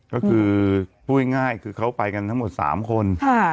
ก็คือพูดง่ายคือเขาไปกันทั้งหมด๓คน